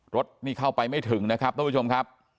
รถนี่เข้าไปไม่ถึงนะครับท่านผู้ชมครับ